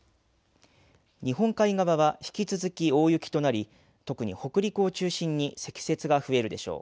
日本海側は引き続き大雪となり特に北陸を中心に積雪が増えるでしょう。